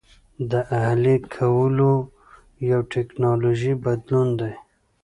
د اهلي کولو یو ټکنالوژیکي بدلون دی.